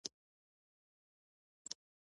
مور او پلار یې پرې وارخطا دي.